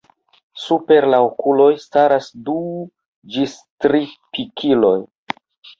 Super la okuloj staras du ĝis tri pikiloj.